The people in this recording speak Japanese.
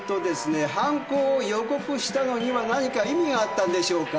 犯行を予告したのには何か意味があったんでしょうか。